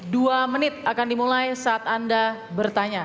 dua menit akan dimulai saat anda bertanya